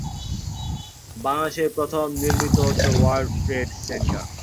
বাংলাদেশে এই প্রথম নির্মিত হচ্ছে "ওয়ার্ল্ড ট্রেড সেন্টার"।